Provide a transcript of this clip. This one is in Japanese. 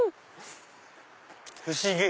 不思議！